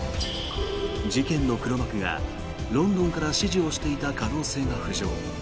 事件の黒幕が、ロンドンから指示をしていた可能性が浮上。